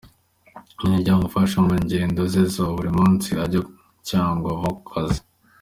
Iri niryo ryamufashaga mu ngendo ze za buri munsi ajya cyangwa ava ku kazi.